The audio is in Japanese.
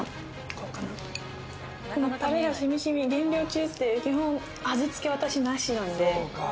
タレがしみしみ、減量中って基本、味つけなしなんで。